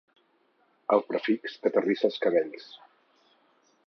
El prefix que t'arrissa els cabells.